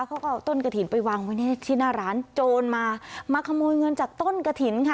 เขาก็เอาต้นกระถิ่นไปวางไว้ที่หน้าร้านโจรมามาขโมยเงินจากต้นกระถิ่นค่ะ